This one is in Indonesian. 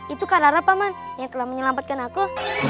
itu karara paman yang telah menyelamatkan aku